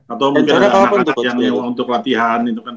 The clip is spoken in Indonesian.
atau mungkin anak anak yang untuk latihan itu kan